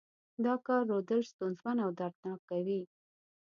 دا کار رودل ستونزمن او دردناک کوي.